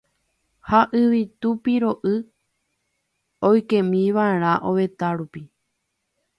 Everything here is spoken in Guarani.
Ha yvytu piro'y oikémiva'erã ovetã rupi.